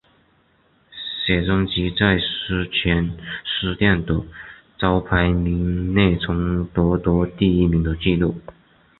写真集在书泉书店的周排名内曾夺得第一名的纪录。